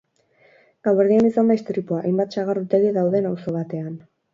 Gauerdian izan da istripua, hainbat sagardotegi dauden auzo batean.